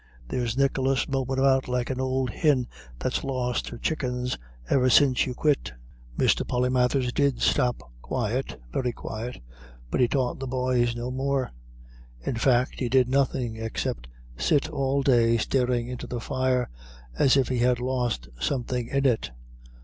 There's Nicholas mopin' about like an ould hin that's lost her chuckens iver since you quit." Mr. Polymathers did stop quiet very quiet but he taught the boys no more. In fact, he did nothing except sit all day staring into the fire, as if he had lost something in it.